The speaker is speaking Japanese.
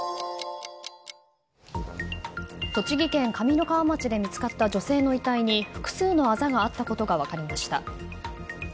栃木県上三川町で見つかった女性の遺体に複数のあざがあったことが分かりました。